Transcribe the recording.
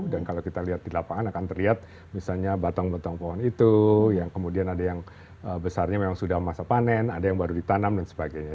dan kalau kita lihat di lapangan akan terlihat misalnya batang batang pohon itu yang kemudian ada yang besarnya memang sudah masa panen ada yang baru ditanam dan sebagainya